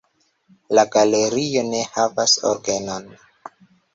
La galerio ne havas orgenon.